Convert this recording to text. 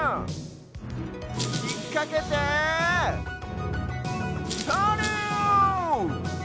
ひっかけてとる！